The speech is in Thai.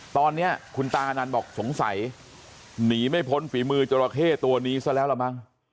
ตอนนี้คุณตานันต์บอกสงสัยหนีไม่พ้นฝีมือจราเข้ตัวนี้ซะแล้วล่ะมั้ง